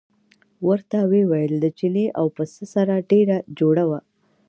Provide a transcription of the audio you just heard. ورته ویې ویل د چیني او پسه سره ډېره جوړه وه.